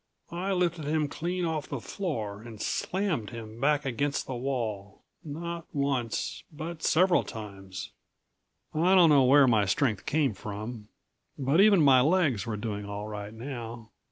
I lifted him clean off the floor and slammed him back against the wall not once, but several times. I don't know where my strength came from, but even my legs were doing all right now.